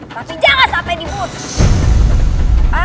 tapi jangan sampai dibutuh